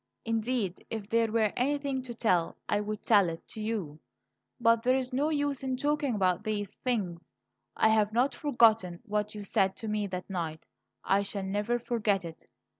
Indeed, if there were anything to tell, I would tell it to you; but there is no use in talking about these things. I have not forgotten what you said to me that night; I shall never forget it.